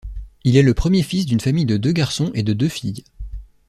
Il est le premier fils d'une famille de deux garçons et de deux filles.